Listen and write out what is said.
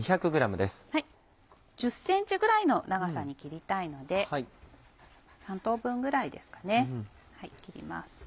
１０ｃｍぐらいの長さに切りたいので３等分ぐらいですかね切ります。